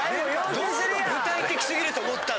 どうも具体的すぎると思ったの。